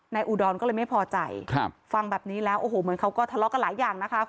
อุดรก็เลยไม่พอใจฟังแบบนี้แล้วโอ้โหเหมือนเขาก็ทะเลาะกันหลายอย่างนะคะ